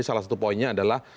salah satu poinnya adalah